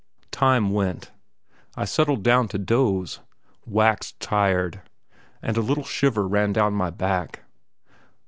Time went. I settled down to doze, waxed tired, and a little shiver ran down my back.